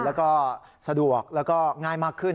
แล้วก็สะดวกแล้วก็ง่ายมากขึ้น